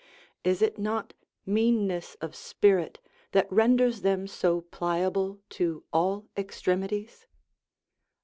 Is it not meanness of spirit that renders them so pliable to all extremities?